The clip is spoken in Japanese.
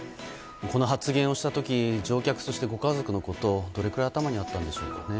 この発言をした時乗客やご家族のことはどれくらい頭にあったんでしょうね。